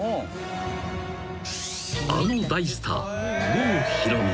［あの大スター郷ひろみ］